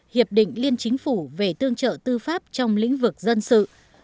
hiệp định liên chính phủ về tương trợ tư pháp trong lĩnh vực dân sự